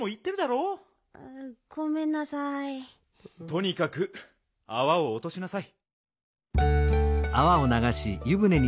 とにかくあわをおとしなさい。